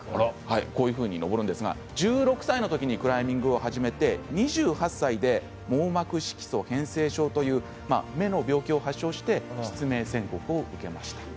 登っていくんですが１６歳の時にクライミングを始めて２８歳で網膜色素変性症という目の病気を発症して失明宣告を受けました。